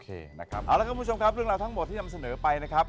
เอาละครับคุณผู้ชมครับเรื่องราวทั้งหมดที่นำเสนอไปนะครับ